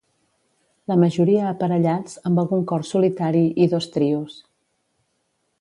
La majoria aparellats, amb algun cor solitari i dos trios.